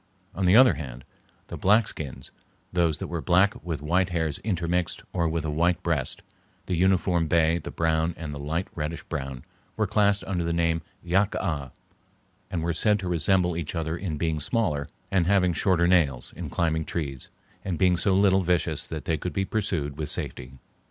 On the other hand, the black skins, those that were black with white hairs intermixed or with a white breast, the uniform bay, the brown, and the light reddish brown, were classed under the name yack ah, and were said to resemble each other in being smaller and having shorter nails, in climbing trees, and being so little vicious that they could be pursued with safety.